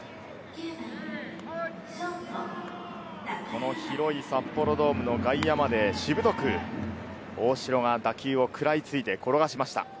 この広い札幌ドームの外野まで、しぶとく大城が打球を食らいついて転がしました。